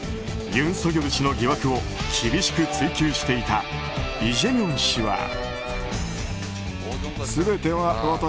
ユン・ソギョル氏の疑惑を厳しく追及していたイ・ジェミョン氏は。